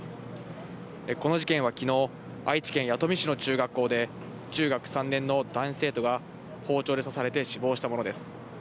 この事件はきのう、愛知県弥富市の中学校で、中学３年の男子生徒が、包丁で刺されて死亡したものです。